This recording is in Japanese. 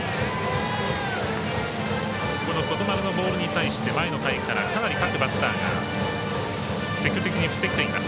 外丸のボールに対して前の回からかなり各バッターが積極的に振ってきています。